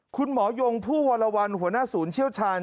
คุณหมอยงผู้วรวรรณหัวหน้าศูนย์เชี่ยวชาญ